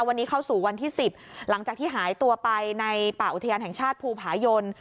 วันนี้เข้าสู่วันที่๑๐หลังจากที่หายตัวไปในป่าอุทยานแห่งชาติภูผายน